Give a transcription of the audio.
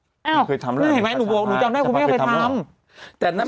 น่าเห็นไหมหนูจำได้ว่าคุณไม่เคยทำ